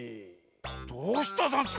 どうしたざんすか？